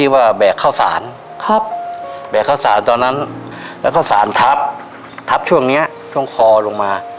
มันปล่อนของขอลงมา